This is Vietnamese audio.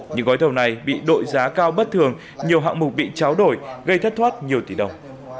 những gói thầu này bị đội giá cao bất thường nhiều hạng mục bị cháo đổi gây thất thoát nhiều tỷ đồng